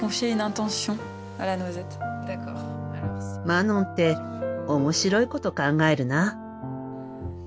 マノンって面白いこと考えるな。